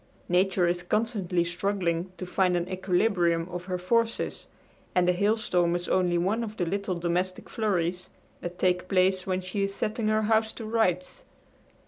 Nature is constantly struggling to find an equilibrium of her forces, and a hailstorm is only one of the little domestic flurries that take place when she is setting her house to rights.